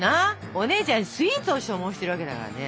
お姉ちゃんスイーツを所望してるわけだからね。